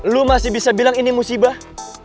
lu masih bisa bilang ini musibah